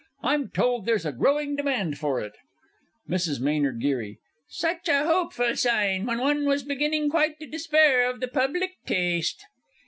I'm told there's a growing demand for it. MRS. M. G. Such a hopeful sign when one was beginning quite to despair of the public taste!